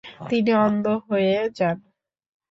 তিনি অন্ধ হয়ে যান।